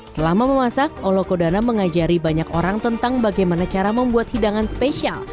selama memasak olokodana mengajari banyak orang tentang bagaimana cara membuat hidangan spesial